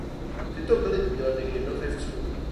Tyto byly uděleny i jednotlivcům.